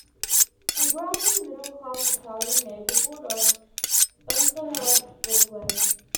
He grew up in a middle-class Italian neighborhood of Bensonhurst, Brooklyn.